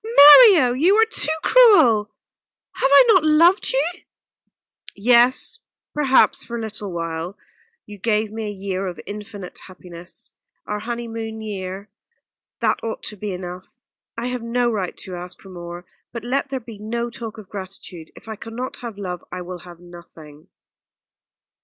"Mario, you are too cruel! Have I not loved you?" "Yes perhaps for a little while. You gave me a year of infinite happiness our honeymoon year. That ought to be enough. I have no right to ask for more but let there be no talk of gratitude if I cannot have love I will have nothing."